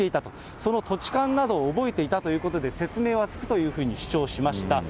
その土地勘などを覚えていたということで、説明はつくというふうに主張しました。